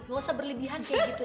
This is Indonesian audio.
gak usah berlebihan kayak gitu